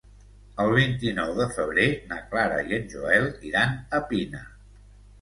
El vint-i-nou de febrer na Clara i en Joel iran a Pina.